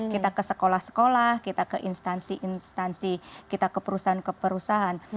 kita ke sekolah sekolah kita ke instansi instansi kita ke perusahaan ke perusahaan